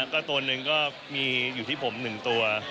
ก็ตัวหนึ่งก็มีอยู่ที่ผม๑ตัว